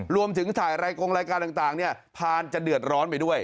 รวมถึงถ่ายรายกงรายการต่างพานจะเดือดร้อนไปด้วย